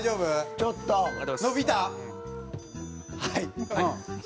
はい。